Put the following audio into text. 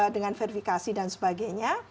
dengan verifikasi dan sebagainya